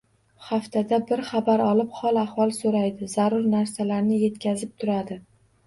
Haftada bir xabar olib, hol-ahvol soʻraydi, zarur narsalarni yetkazib turadi